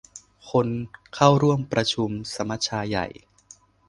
คนเข้าร่วมประชุมสมัชชาใหญ่